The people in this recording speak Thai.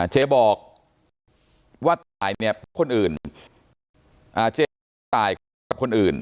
เจ้าบอกว่าตายช่วยคนอื่น